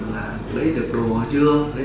đấy chị bĩnh cũng có biết